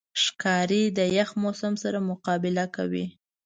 ښکاري د یخ موسم سره مقابله کوي.